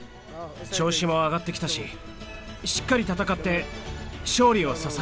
調子も上がってきたししっかり戦って勝利をささげます。